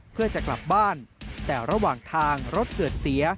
เพื่อจะกลับบ้านแต่ระหว่างทางรถเกิดเสีย